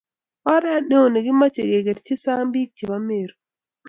oret noo nekemochei kekerchi sang biik chebo Meru